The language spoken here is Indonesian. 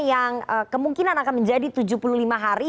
yang kemungkinan akan menjadi tujuh puluh lima hari